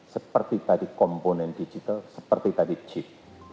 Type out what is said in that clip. seperti tadi komponen digital seperti tadi chip